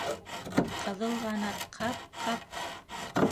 Ҡыҙылғанат, ҡап, ҡап!